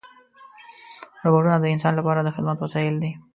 روبوټونه د انسان لپاره د خدمت وسایل دي.